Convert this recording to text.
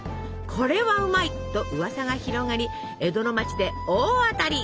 「これはうまい！」とうわさが広がり江戸の町で大当たり！